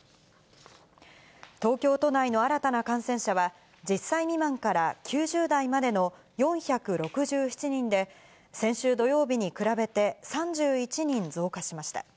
東京都内の新たな感染者は、１０歳未満から９０代までの４６７人で、先週土曜日に比べて３１人増加しました。